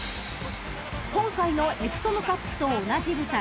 ［今回のエプソムカップと同じ舞台